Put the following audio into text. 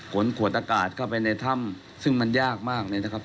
ขวดอากาศเข้าไปในถ้ำซึ่งมันยากมากเลยนะครับ